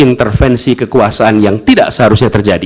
di antara perbedaan keadaan kekuasaan yang tidak seharusnya terjadi